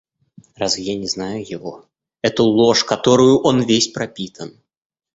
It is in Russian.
Разве я не знаю его, эту ложь, которою он весь пропитан?..